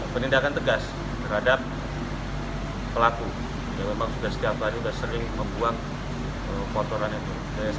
penindakan tegas terhadap pelaku yang memang sudah setiap hari sudah sering membuang kotoran itu